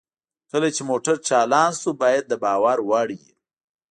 کله چې موټر چالان شو باید د باور وړ وي